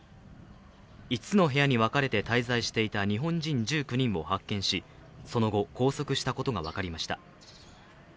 ５つの部屋に分かれて滞在していた日本人１９人を発見し、その後、拘束したことが分かりました。